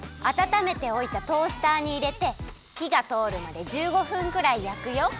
あたためておいたトースターにいれてひがとおるまで１５分くらいやくよ。